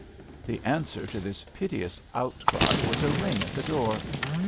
The answer to this piteous outcry was a ring at the door.